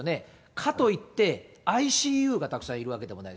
かといって、ＩＣＵがたくさんいるわけでもない。